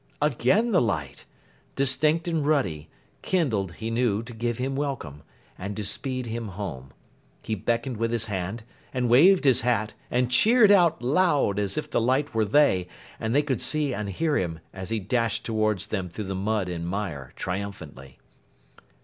Again the light! Distinct and ruddy; kindled, he knew, to give him welcome, and to speed him home. He beckoned with his hand, and waved his hat, and cheered out, loud, as if the light were they, and they could see and hear him, as he dashed towards them through the mud and mire, triumphantly.